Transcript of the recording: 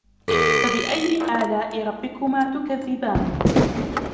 فبأي آلاء ربكما تكذبان